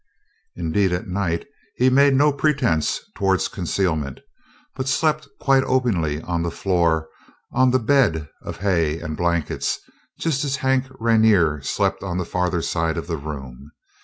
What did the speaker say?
Indeed, at night he made no pretense toward concealment, but slept quite openly on the floor on the bed of hay and blankets, just as Hank Rainer slept on the farther side of the room.